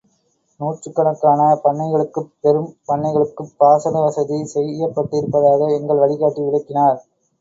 நூற்றுக்கணக்கான பண்ணைகளுக்குப் பெரும் பண்ணைகளுக்குப் பாசன வசதி செய்யப்பட்டிருப்பதாக எங்கள் வழிகாட்டி விளக்கினார்.